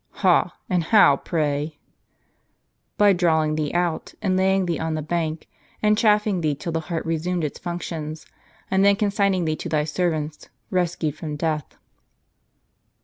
" Ha ! and how, pray ?"" By drawing thee out, and laying thee on the bank, and chafing thee till thy heart resumed its functions; and then consigning thee to thy servants, rescued from death."